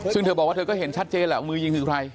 ซึ่งเธอบอกว่าเธอก็เห็นชัดเจนแหละว่ามือยิงคือใคร